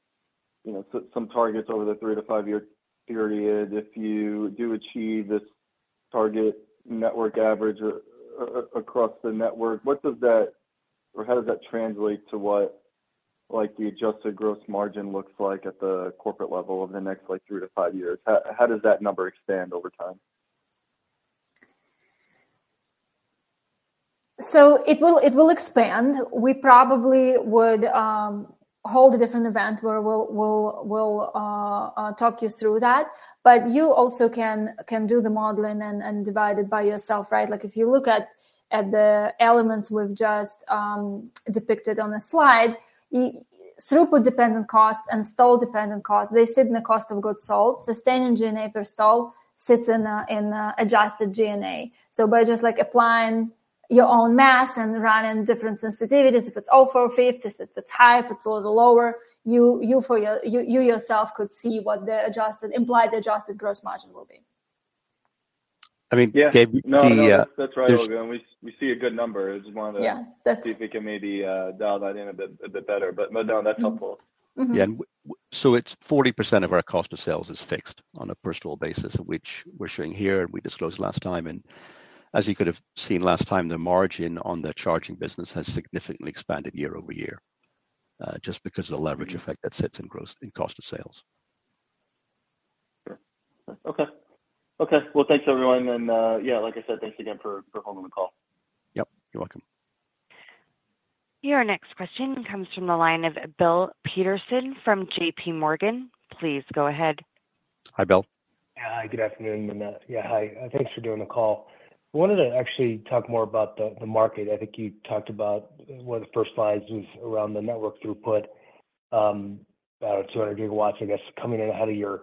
you know, so some targets over the 3- to 5-year period, if you do achieve this target network average across the network, what does that or how does that translate to what, like, the adjusted gross margin looks like at the corporate level over the next, like, three to five years? How, how does that number expand over time? So it will expand. We probably would hold a different event where we'll walk you through that. But you also can do the modeling and divide it by yourself, right? Like, if you look at the elements we've just depicted on the slide, throughput dependent costs and stall dependent costs, they sit in the cost of goods sold. Sustaining G&A per stall sits in Adjusted G&A. So by just, like, applying your own math and running different sensitivities, if it's all 4 ft, if it's high, if it's a little lower, you yourself could see what the implied adjusted gross margin will be. I mean, Gabe, the. No, no, that's right, Olga. We see a good number. Yeah. Just wanted to- That's- See if we can maybe dial that in a bit, a bit better. But no, that's helpful. Yeah. So it's 40% of our cost of sales is fixed on a per stall basis, which we're showing here, and we disclosed last time. As you could have seen last time, the margin on the charging business has significantly expanded year-over-year, just because of the leverage effect that sits in gross, in cost of sales. Sure. Okay. Okay. Well, thanks, everyone, and yeah, like I said, thanks again for holding the call. Yep, you're welcome. Your next question comes from the line of Bill Peterson from JPMorgan. Please go ahead. Hi, Bill. Hi. Good afternoon, and yeah, hi, thanks for doing the call. I wanted to actually talk more about the market. I think you talked about one of the first slides was around the network throughput, about 200 GW, I guess, coming in ahead of your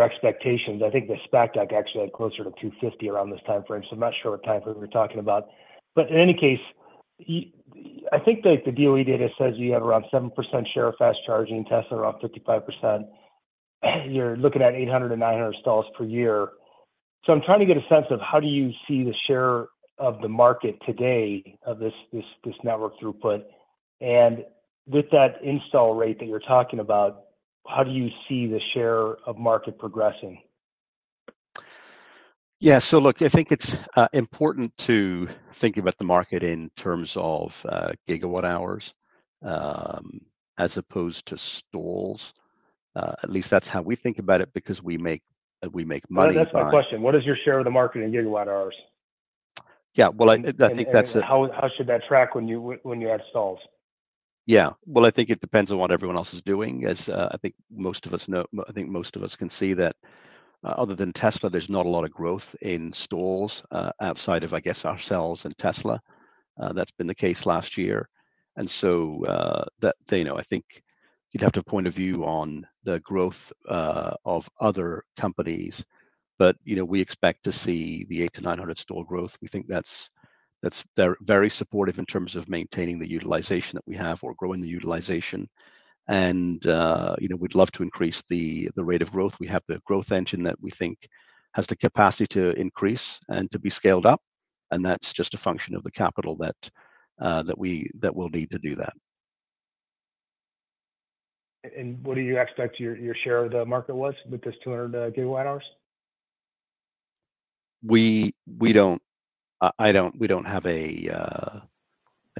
expectations. I think the SPAC deck actually had closer to 250 around this time frame, so I'm not sure what time frame we're talking about. But in any case, I think that the DOE data says you have around 7% share of fast charging, Tesla around 55%. You're looking at 800-900 stalls per year. So I'm trying to get a sense of how do you see the share of the market today of this, this, this network throughput? With that install rate that you're talking about, how do you see the share of market progressing? Yeah. So look, I think it's important to think about the market in terms of gigawatt hours, as opposed to stalls. At least that's how we think about it, because we make, we make money by- Well, that's my question: What is your share of the market in gigawatt hours? Yeah, well, I think that's a- How should that track when you add stalls? Yeah. Well, I think it depends on what everyone else is doing. As I think most of us know... I think most of us can see that, other than Tesla, there's not a lot of growth in stalls, outside of, I guess, ourselves and Tesla. That's been the case last year, and so, that, you know, I think you'd have to point of view on the growth, of other companies. But, you know, we expect to see the 800-900 stall growth. We think that's, that's very supportive in terms of maintaining the utilization that we have or growing the utilization. And, you know, we'd love to increase the, the rate of growth. We have the growth engine that we think has the capacity to increase and to be scaled up, and that's just a function of the capital that we'll need to do that. What do you expect your share of the market was with this 200 GWh? We don't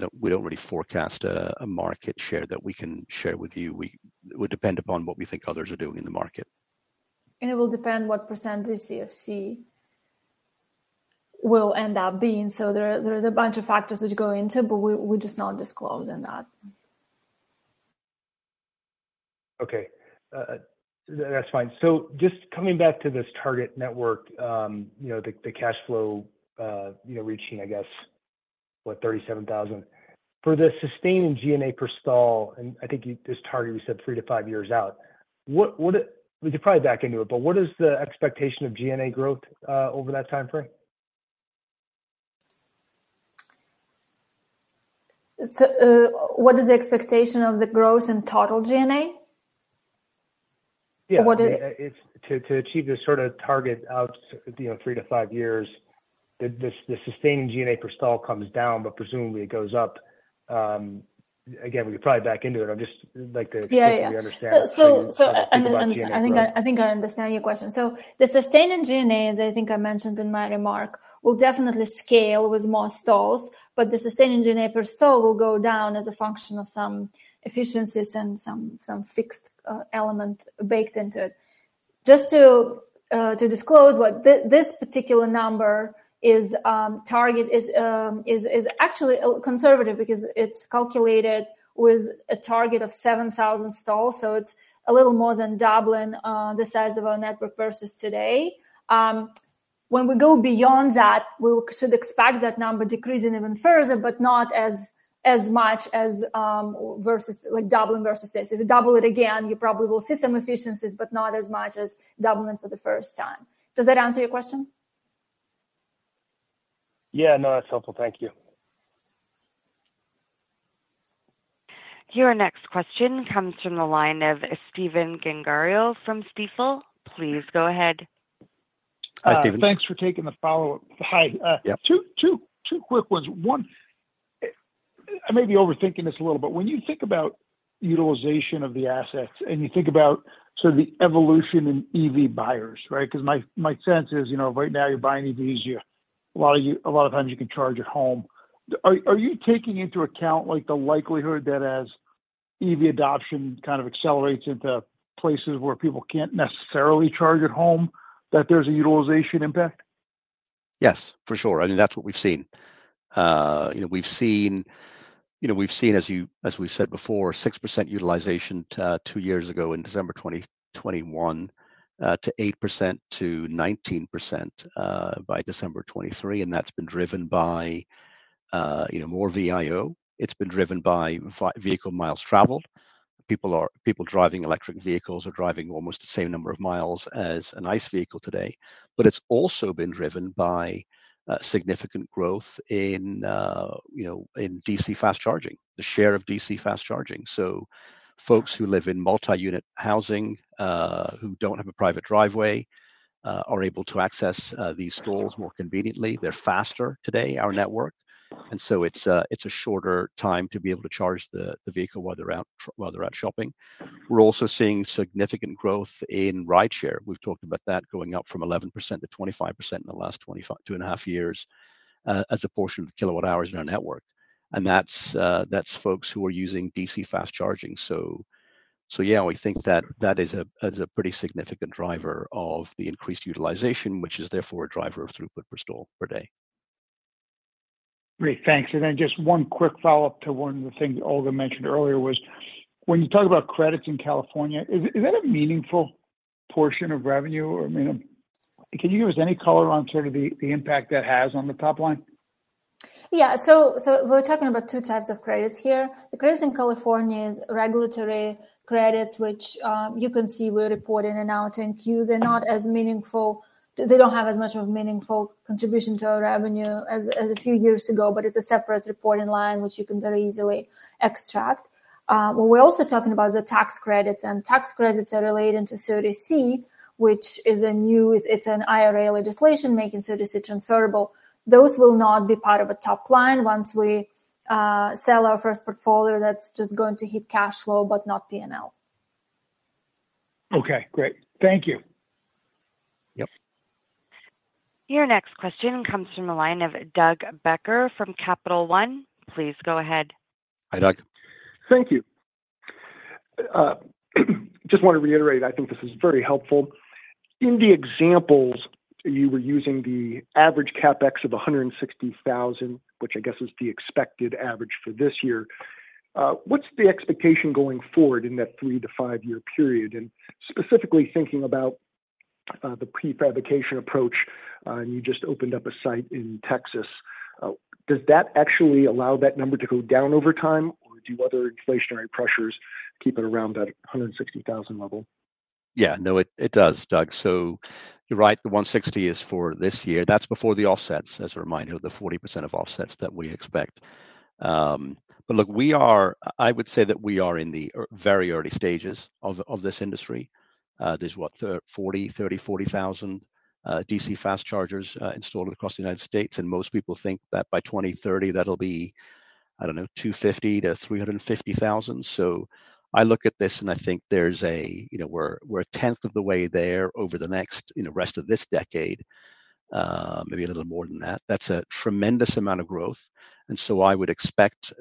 really forecast a market share that we can share with you. It would depend upon what we think others are doing in the market. It will depend what percentage DCFC will end up being. So there is a bunch of factors which go into, but we just not disclosing that. Okay. That's fine. So just coming back to this target network, you know, the, the cash flow, you know, reaching, I guess, what? $37,000. For the Sustaining G&A per stall, and I think you, his target, you said three to years out. What, what, we could probably back into it, but what is the expectation of G&A growth over that time frame? What is the expectation of the growth in total G&A? Yeah. What is- It's to achieve this sort of target out, you know, three to five years, the Sustaining G&A per stall comes down, but presumably it goes up. Again, we could probably back into it. I'd just like to- Yeah, yeah -quickly understand. So, so- About G&A growth. I think I understand your question. So the Sustaining G&A, as I think I mentioned in my remark, will definitely scale with more stalls, but the Sustaining G&A per stall will go down as a function of some efficiencies and some fixed element baked into it. Just to disclose what this particular number is, target is actually conservative because it's calculated with a target of 7,000 stalls, so it's a little more than doubling the size of our network versus today. When we go beyond that, we should expect that number decreasing even further, but not as much as versus, like, doubling versus today. So if you double it again, you probably will see some efficiencies, but not as much as doubling for the first time. Does that answer your question? Yeah. No, that's helpful. Thank you. Your next question comes from the line of Stephen Gengaro from Stifel. Please go ahead. Hi, Stephen. Thanks for taking the follow-up. Hi. Yeah. Two quick ones. One, I may be overthinking this a little, but when you think about utilization of the assets, and you think about sort of the evolution in EV buyers, right? 'Cause my sense is, you know, right now, you're buying EVs, a lot of times you can charge at home. Are you taking into account, like, the likelihood that as EV adoption kind of accelerates into places where people can't necessarily charge at home, that there's a utilization impact? Yes, for sure. I mean, that's what we've seen. You know, we've seen, as you, as we've said before, 6% utilization two years ago in December 2021 to 8% to 19% by December 2023, and that's been driven by, you know, more VIO. It's been driven by vehicle miles traveled. People driving electric vehicles are driving almost the same number of miles as an ICE vehicle today. But it's also been driven by significant growth in, you know, in DC fast charging, the share of DC fast charging. So folks who live in multi-unit housing who don't have a private driveway are able to access these stalls more conveniently. They're faster today, our network, and so it's a shorter time to be able to charge the vehicle while they're out shopping. We're also seeing significant growth in rideshare. We've talked about that going up from 11%-25% in the last two and a half years as a portion of kilowatt hours in our network. And that's folks who are using DC fast charging. So yeah, we think that that is a pretty significant driver of the increased utilization, which is therefore a driver of throughput per stall per day. Great, thanks. And then just one quick follow-up to one of the things Olga mentioned earlier was, when you talk about credits in California, is, is that a meaningful portion of revenue? Or, I mean, can you give us any color on sort of the, the impact that has on the top line? Yeah. So, so we're talking about two types of credits here. The credits in California is regulatory credits, which, you can see we're reporting in our 10-Qs. They're not as meaningful. They don't have as much of a meaningful contribution to our revenue as, as a few years ago, but it's a separate reporting line, which you can very easily extract. But we're also talking about the tax credits, and tax credits are related to 30C, which is a new, it's an IRA legislation making 30C transferable. Those will not be part of a top line once we, sell our first portfolio. That's just going to hit cash flow, but not P&L. Okay, great. Thank you. Yep. Your next question comes from the line of Doug Becker from Capital One. Please go ahead. Hi, Doug. Thank you. Just want to reiterate, I think this is very helpful. In the examples, you were using the average CapEx of $160,000, which I guess is the expected average for this year. What's the expectation going forward in that three to five year period? And specifically thinking about the prefabrication approach, you just opened up a site in Texas. Does that actually allow that number to go down over time, or do other inflationary pressures keep it around that $160,000 level? Yeah. No, it does, Doug. So you're right, the $160 is for this year. That's before the offsets, as a reminder, the 40% of offsets that we expect. But look, we are. I would say that we are in the very early stages of this industry. There's what? 40,000 DC fast chargers installed across the United States, and most people think that by 2030, that'll be, I don't know, 250,000-350,000. So I look at this, and I think there's a, you know, we're a tenth of the way there over the next, you know, rest of this decade, maybe a little more than that. That's a tremendous amount of growth, and so I would expect,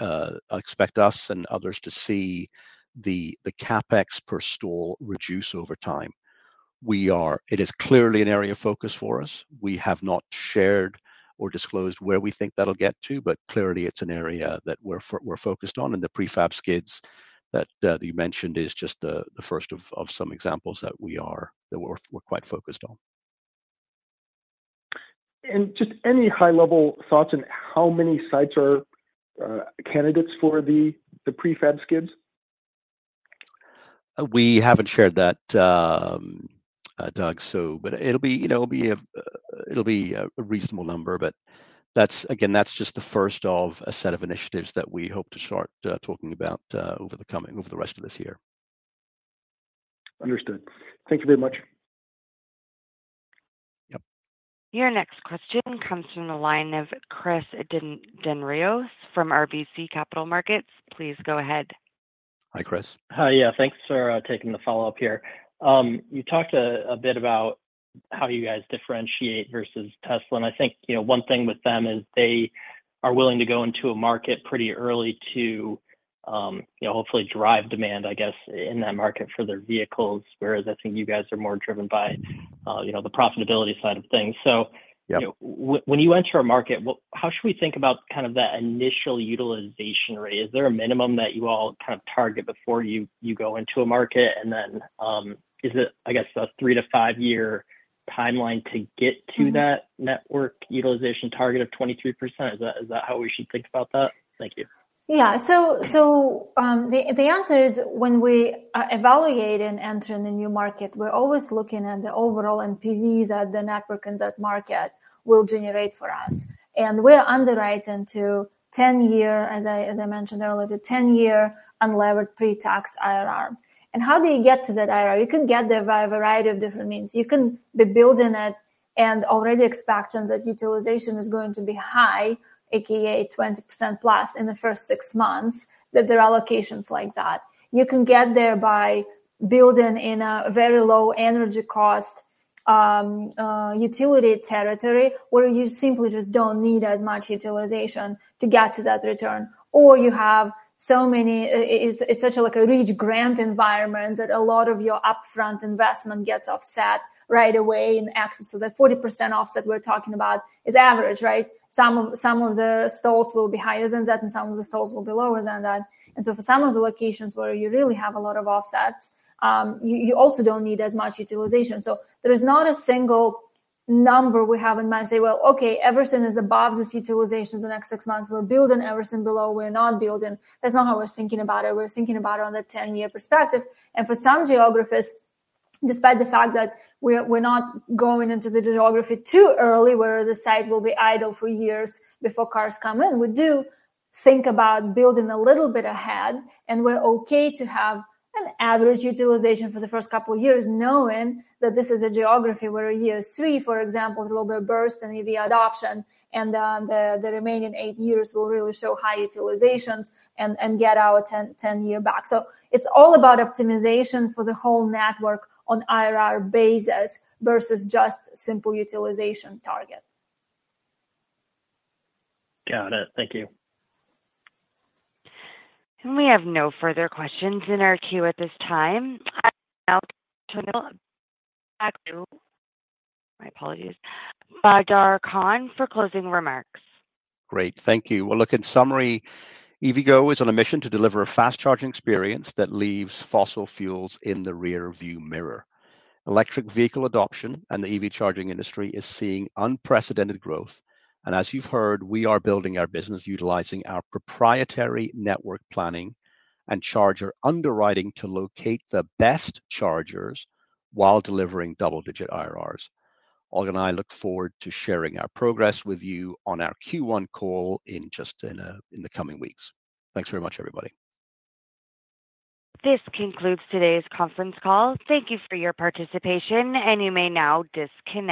I expect us and others to see the, the CapEx per stall reduce over time. It is clearly an area of focus for us. We have not shared or disclosed where we think that'll get to, but clearly, it's an area that we're we're focused on, and the prefab skids that you mentioned is just the the first of some examples that we are, that we're, we're quite focused on. Just any high-level thoughts on how many sites are candidates for the prefab skids? We haven't shared that, Doug, so but it'll be, you know, it'll be a reasonable number, but that's again, that's just the first of a set of initiatives that we hope to start talking about over the rest of this year. Understood. Thank you very much. Yep. Your next question comes from the line of Chris Dendrinos from RBC Capital Markets. Please go ahead. Hi, Chris. Hi, yeah. Thanks for taking the follow-up here. You talked a bit about how you guys differentiate versus Tesla, and I think, you know, one thing with them is they are willing to go into a market pretty early to, you know, hopefully drive demand, I guess, in that market for their vehicles. Whereas I think you guys are more driven by, you know, the profitability side of things. So- Yep. When you enter a market, how should we think about kind of that initial utilization rate? Is there a minimum that you all kind of target before you go into a market? And then, is it, I guess, a three to five year kind of timeline to get to that network utilization target of 23%? Is that, is that how we should think about that? Thank you. Yeah. The answer is, when we are evaluating entering a new market, we're always looking at the overall NPVs that the network in that market will generate for us. And we're underwriting to 10-year, as I mentioned earlier, 10-year unlevered pre-tax IRR. And how do you get to that IRR? You can get there by a variety of different means. You can be building it and already expecting that utilization is going to be high, AKA 20%+ in the first six months, that there are locations like that. You can get there by building in a very low energy cost utility territory, where you simply just don't need as much utilization to get to that return. Or you have so many, it's, it's such a, like, a rich grant environment that a lot of your upfront investment gets offset right away in access. So that 40% offset we're talking about is average, right? Some of, some of the stores will be higher than that, and some of the stores will be lower than that. And so for some of the locations where you really have a lot of offsets, you also don't need as much utilization. So there is not a single number we have in mind to say, "Well, okay, everything is above this utilization in the next six months, we're building. Everything below, we're not building." That's not how we're thinking about it. We're thinking about it on the 10-year perspective. For some geographies, despite the fact that we're not going into the geography too early, where the site will be idle for years before cars come in, we do think about building a little bit ahead, and we're okay to have an average utilization for the first couple of years, knowing that this is a geography where year three, for example, there will be a burst in EV adoption, and then the remaining eight years will really show high utilizations and get our 10-year payback. So it's all about optimization for the whole network on IRR basis versus just simple utilization target. Got it. Thank you. We have no further questions in our queue at this time. My apologies. Badar Khan for closing remarks. Great. Thank you. Well, look, in summary, EVgo is on a mission to deliver a fast charging experience that leaves fossil fuels in the rearview mirror. Electric vehicle adoption and the EV charging industry is seeing unprecedented growth, and as you've heard, we are building our business utilizing our proprietary network planning and charger underwriting to locate the best chargers while delivering double-digit IRRs. Olga and I look forward to sharing our progress with you on our Q1 call in just in, in the coming weeks. Thanks very much, everybody. This concludes today's conference call. Thank you for your participation, and you may now disconnect.